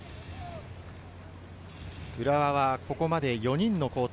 浦和はここまで４人の交代。